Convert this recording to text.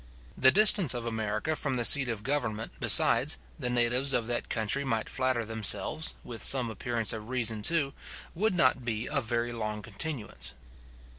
The distance of America from the seat of government, besides, the natives of that country might flatter themselves, with some appearance of reason too, would not be of very long continuance.